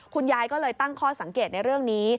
คุณยายก็เลยตั้งข้อสังเกตในเรื่องนี้